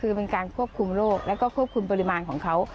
คือเป็นการควบคุมโรคแล้วก็ควบคุมปริมาณของเขา